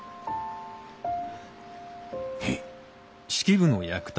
へい。